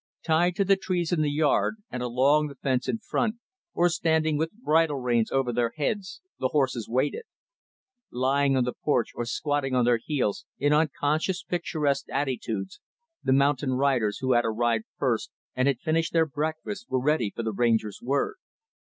Tied to the trees in the yard, and along the fence in front, or standing with bridle reins over their heads, the horses waited. Lying on the porch, or squatting on their heels, in unconscious picturesque attitudes, the mountain riders who had arrived first and had finished their breakfast were ready for the Ranger's word.